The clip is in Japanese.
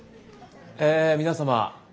え皆様